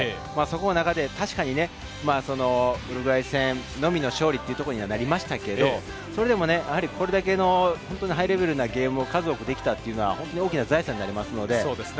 その中で確かにウルグアイ戦のみの勝利ということにはなりましたけど、それでもこれだけのハイレベルなゲームを数多くできたのは大きな財産になります。